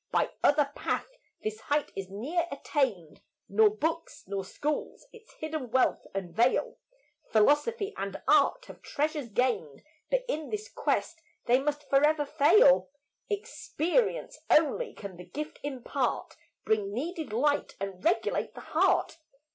By other path this height is ne'er attained, Nor books nor schools its hidden wealth unveil. Philosophy and art have treasures gained, But in this quest they must forever fail Experience only can the gift impart, Bring needed light and regulate the heart.